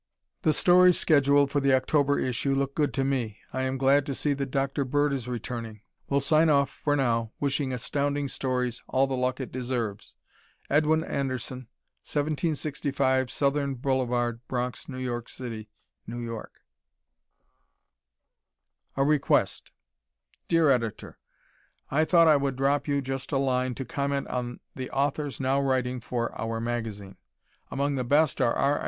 The stories scheduled for the October issue look good to me. Am glad to see that Dr. Bird is returning. Will sign off now wishing Astounding Stories all the luck it deserves. Edwin Anderson, 1765 Southern Boulevard, Bronx, N.Y.C., N.Y. A Request Dear Editor: I thought I would drop you just a line to comment on the authors now writing for "our" magazine. Among the best are: R.